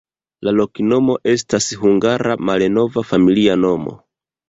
La loknomo estas hungara malnova familia nomo.